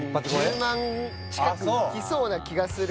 １０万近くいきそうな気がする